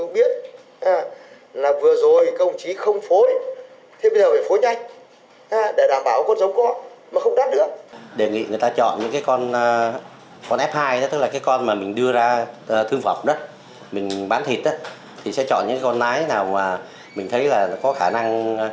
bản thịt thì sẽ chọn những con lái nào mà mình thấy là có khả năng